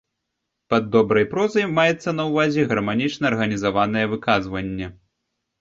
Пад добрай прозай маецца на ўвазе гарманічна арганізаванае выказванне.